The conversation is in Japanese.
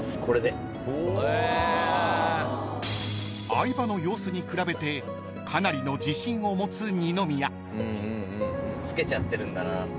［相葉の様子に比べてかなりの自信を持つ二宮］